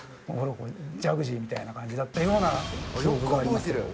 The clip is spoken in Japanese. ジャグジーみたいな感じだったような記憶がありますけど。